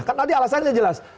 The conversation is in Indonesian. kan tadi alasannya jelas